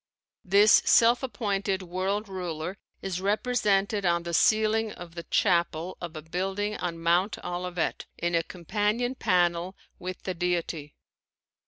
This self appointed world ruler is represented on the ceiling of the chapel of a building on Mount Olivet in a companion panel with the Deity.